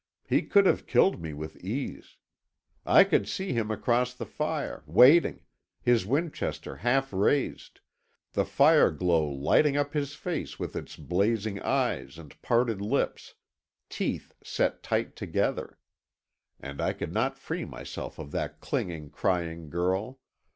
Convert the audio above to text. He could have killed me with ease. I could see him across the fire, waiting, his Winchester half raised, the fire glow lighting up his face with its blazing eyes and parted lips, teeth set tight together. And I could not free myself of that clinging, crying girl.